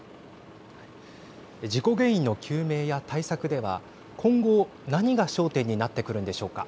事故原因の究明や対策では今後、何が焦点になってくるんでしょうか。